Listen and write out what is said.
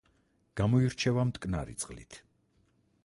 გამოირჩევა მტკნარი წყლით.